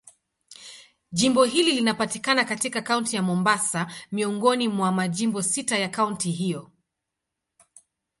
Jimbo hili linapatikana katika Kaunti ya Mombasa, miongoni mwa majimbo sita ya kaunti hiyo.